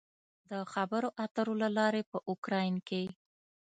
د خبرو اترو له لارې په اوکراین کې